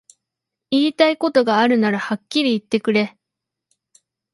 言いたいことがあるならはっきり言ってくれ